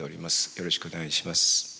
よろしくお願いします。